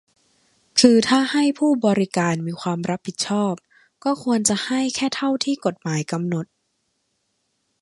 คือถ้าผู้ให้บริการมีความรับผิดชอบ ก็ควรจะให้แค่เท่าที่กฎหมายกำหนด